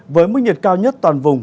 với mức nhiệt cao nhất toàn vùng